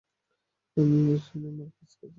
আমি ট্রিনা মার্কেজকে চিনতাম।